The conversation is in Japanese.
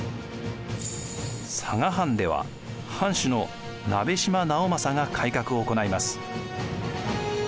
佐賀藩では藩主の鍋島直正が改革を行います。